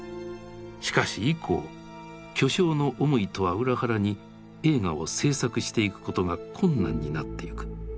しかし以降巨匠の思いとは裏腹に映画を製作していくことが困難になってゆく。